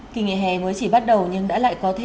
kỳ nghỉ hè mới chỉ bắt đầu nhưng đã lại có thêm